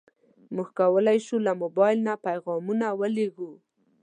موږ کولی شو له موبایل نه پیغامونه ولېږو.